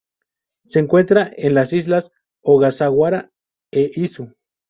Se encuentran en las Islas Ogasawara e Izu.